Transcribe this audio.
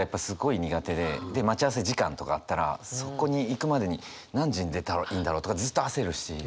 で待ち合わせ時間とかあったらそこに行くまでに何時に出たらいいんだろうとかずっと焦るし。